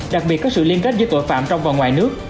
đặc biệt các sự liên kết với tội phạm trong và ngoài nước